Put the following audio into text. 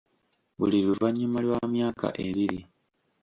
Buli luvannyma lwa myaka ebiri.